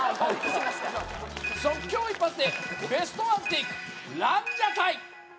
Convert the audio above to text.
即興一発でベストワンテイクランジャタイ！